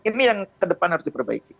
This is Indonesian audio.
ini yang ke depan harus diperbaiki